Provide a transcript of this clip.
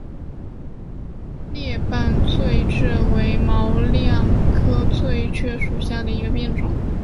裂瓣翠雀为毛茛科翠雀属下的一个变种。